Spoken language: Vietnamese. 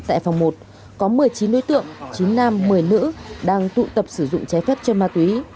tại phòng một có một mươi chín đối tượng chín nam một mươi nữ đang tụ tập sử dụng trái phép chân ma túy